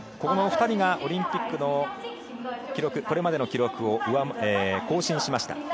この２人がオリンピックのこれまでの記録を更新しました。